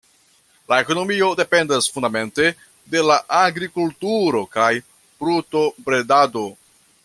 La ekonomio dependas fundamente de la agrikulturo kaj brutobredado.